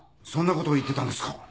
そんなこと言ってたんですか？